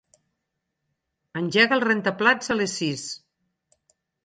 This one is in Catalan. Engega el rentaplats a les sis.